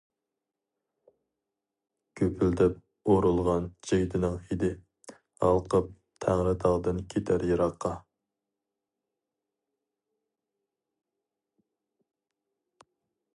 گۈپۈلدەپ ئۇرۇلغان جىگدىنىڭ ھىدى، ھالقىپ تەڭرىتاغدىن كېتەر يىراققا.